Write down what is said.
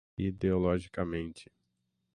ideologicamente